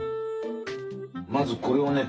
まずこれをね